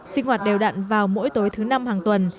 sinh hoạt đều đặn vào mỗi tối thứ năm hàng tuần